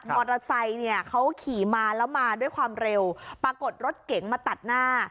มอเตอร์ไซค์เนี่ยเขาขี่มาแล้วมาด้วยความเร็วปรากฏรถเก๋งมาตัดหน้า